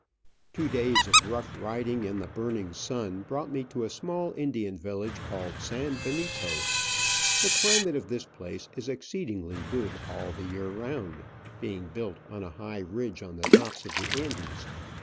Two days of rough riding in the burning sun brought me to a small Indian village called San Benito. • The climate of this place is exceedingly good all the year round, being built on a high ridge on the tops of the Andes.